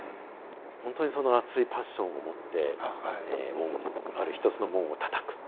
ほんとにその熱いパッションを持って門をある一つの門をたたく。